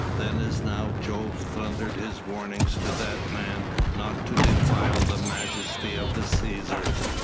Then as now Jove thundered his warnings to that man not to defile the majesty of the Cæsars.